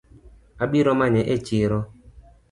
Abiro manye echiro